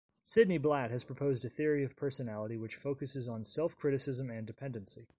Sidney Blatt has proposed a theory of personality which focuses on self-criticism and dependency.